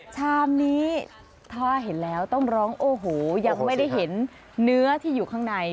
ชามนี้ถ้าเห็นแล้วต้องร้องโอ้โหยังไม่ได้เห็นเนื้อที่อยู่ข้างใน